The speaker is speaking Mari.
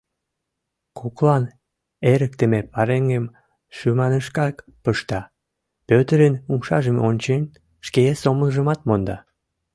Коклан эрыктыме пареҥгым шӱманышкак пышта, Пӧтырын умшажым ончен, шке сомылжымат монда.